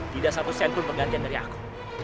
tidak satu sen pun pergantian dari aku